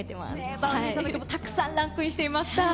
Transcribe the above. Ｖａｕｎｄｙさんの曲もたくさんランクインしていました。